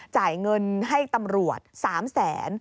จ่ายเงินให้ตำรวจ๓แสน